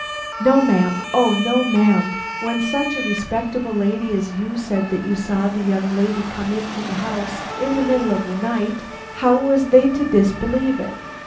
"No, ma'am, O no, ma'am. When such a respectable lady as you said that you saw the young lady come into the house in the middle of the night, how was they to disbelieve it.